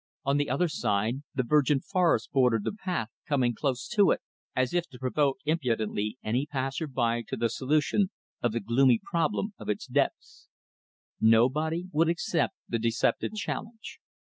On the other side the virgin forest bordered the path, coming close to it, as if to provoke impudently any passer by to the solution of the gloomy problem of its depths. Nobody would accept the deceptive challenge.